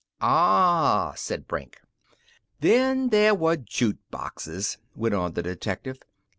"Ah," said Brink. "Then there were juke boxes," went on the detective.